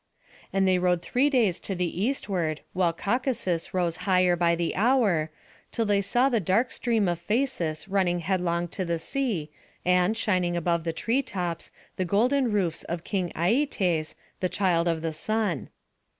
And they rowed three days to the eastward, while Caucasus rose higher hour by hour, till they saw the dark stream of Phasis rushing headlong to the sea, and shining above the treetops, the golden roofs of King Aietes, the child of the sun.